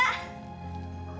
kak lintang berhasil nga ya